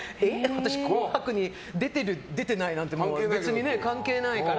私は「紅白」に出てる、出てないなんて関係ないから。